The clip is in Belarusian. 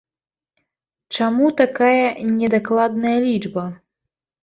Чаму такая недакладная лічба?